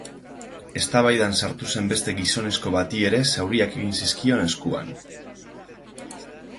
Eztabaidan sartu zen beste gizonezko bati ere zauriak egin zizkion eskuan.